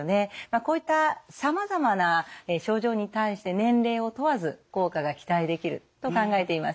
こういったさまざまな症状に対して年齢を問わず効果が期待できると考えています。